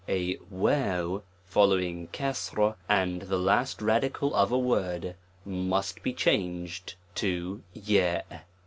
A j following and the last radical of a word, must be changed to g .